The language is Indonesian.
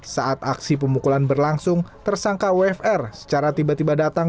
saat aksi pemukulan berlangsung tersangka wfr secara tiba tiba datang